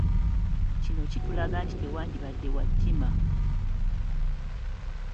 Kino kitulaga nti tewandibadde wa ttima.